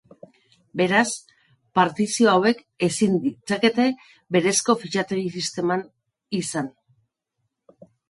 Beraz, partizio hauek ezin ditzakete berezko fitxategi sistema izan.